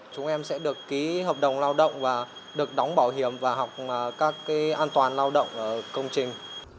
chúng em sẽ được ký hợp đồng lao động và được đóng bảo hiểm và học các an toàn lao động ở công trình